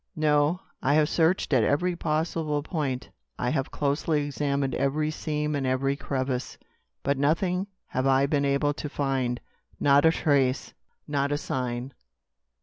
"No. I have searched at every possible point. I have closely examined every seam and every crevice, but nothing have I been able to find not a trace, not a sign."